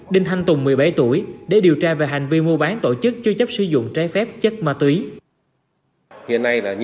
đinh thanh tùng một mươi bảy tuổi để điều tra về hành vi mua bán tổ chức chứa chấp sử dụng trái phép chất ma túy